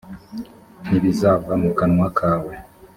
ntibizava mu kanwa kawe